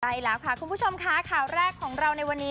ใช่แล้วค่ะคุณผู้ชมค่ะข่าวแรกของเราในวันนี้